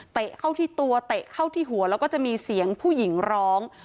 เข้าที่ตัวเตะเข้าที่หัวแล้วก็จะมีเสียงผู้หญิงร้อง